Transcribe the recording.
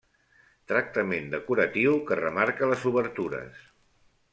Tractament decoratiu que remarca les obertures.